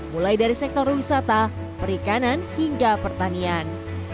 mulai dari sektor wisata perikanan hingga pertanian